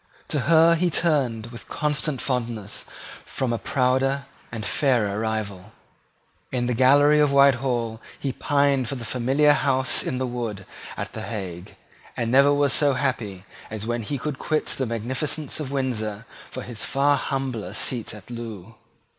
To her he turned with constant fondness from a prouder and fairer rival. In the gallery of Whitehall he pined for the familiar House in the Wood at the Hague, and never was so happy as when he could quit the magnificence of Windsor for his far humbler seat at Loo.